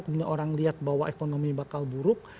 kemudian orang lihat bahwa ekonomi bakal buruk